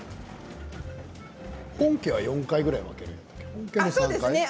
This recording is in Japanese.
本家は４回ぐらい分けるよね。